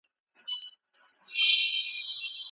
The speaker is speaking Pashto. خپل ذهنونه تل په مثبتو او ښو فکرونو باندي روږدي کړئ.